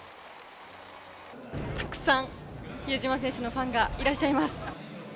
たくさん、比江島選手のファンがいらっしゃいます。